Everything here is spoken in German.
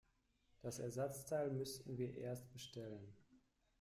Das Ersatzteil müssten wir erst bestellen.